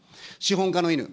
資本家の犬。